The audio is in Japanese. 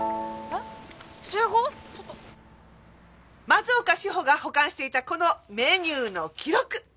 松岡志保が保管していたこのメニューの記録。